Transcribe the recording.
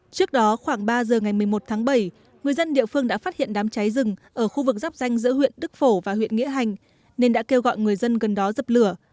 trước đó khoảng ba giờ ngày một mươi một tháng bảy người dân địa phương đã phát hiện đám cháy rừng ở khu vực giáp danh giữa huyện đức phổ và huyện nghĩa hành nên đã kêu gọi người dân gần đó dập lửa